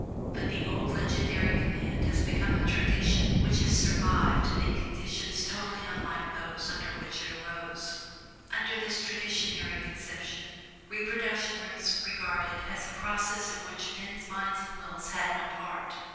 But the old legendary command has become a tradition which has survived amid conditions totally unlike those under which it arose. Under this old traditionary conception reproduction was regarded as a process in which men's minds and wills had no part.